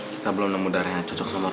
kita belum nemu darah yang cocok sama roman re